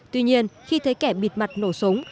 tuy nhiên khi thấy kẻ bịt mặt nổ súng